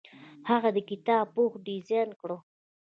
هغه د کتاب پوښ ډیزاین کړ.